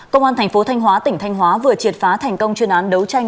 công an thành phố thanh hóa tỉnh thanh hóa vừa triệt phá thành công chuyên án đấu tranh